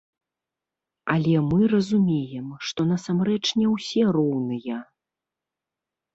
Але мы разумеем, што насамрэч не ўсе роўныя.